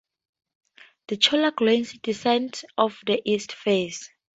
The Chola glacier descends off the east face.